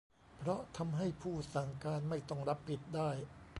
เพราะทำให้ผู้สั่งการไม่ต้องรับผิด ได้